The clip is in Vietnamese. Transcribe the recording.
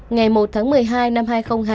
ngày một tháng một mươi hai năm hai nghìn hai mươi